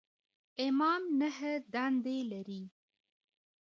امام نهه دندې لري.